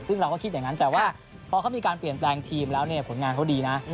ซึ่งเราก็คิดอย่างนั้นแต่ว่าพอเขามีการเปลี่ยนแปลงทีมแล้วเนี่ยผลงานเขาดีนะ